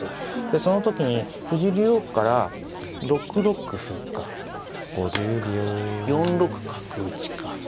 その時に藤井竜王から６六歩か４六角打か。